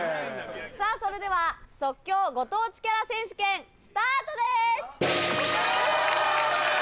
さぁそれでは即興ご当地キャラ選手権スタートです！